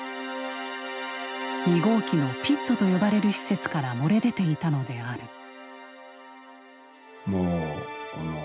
２号機のピットと呼ばれる施設から漏れ出ていたのである。